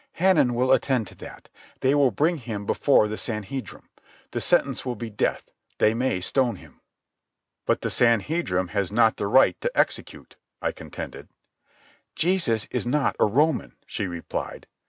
"Hanan will attend to that. They will bring him before the Sanhedrim. The sentence will be death. They may stone him." "But the Sanhedrim has not the right to execute," I contended. "Jesus is not a Roman," she replied.